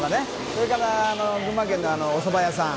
それから群馬県のおそば屋さん。